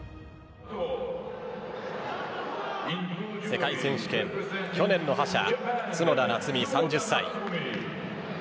世界選手権去年の覇者、角田夏実３０歳。